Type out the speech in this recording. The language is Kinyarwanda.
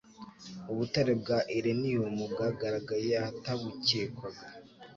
Ubutare bwa ireniyumu bwagaragaye ahatabucyekwaga